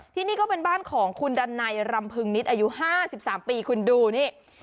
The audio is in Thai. ที่นี่ก็เป็นบ้านของคุณดันไนรำพึงนิดอายุ๕๓ปีคุณดูนี่